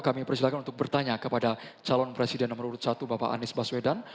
kami persilahkan untuk bertanya kepada calon presiden nomor satu bapak anies baswedan